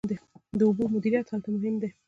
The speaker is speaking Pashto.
د اوبو مدیریت هلته مهم دی.